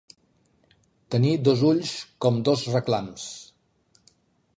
Tenir dos ulls com dos reclams.